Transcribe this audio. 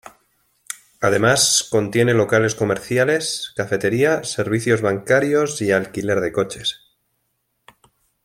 Además contiene locales comerciales, cafetería, servicios bancarios y alquiler de coches.